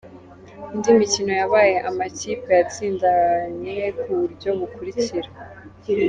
Indi mikino yabaye, amakipe yatsindanye ku buryo bukurikira :.